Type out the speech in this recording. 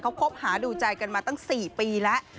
เขาคบหาดูใจกันมาตั้ง๔ปีแล้ว